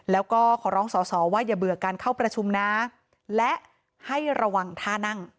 แล้วก็ขอร้องสอสอว่าอย่าเบื่อการเข้าประชุมนะและให้ระวังท่านั่ง